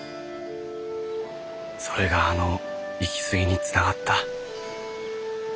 それがあの行き過ぎにつながった。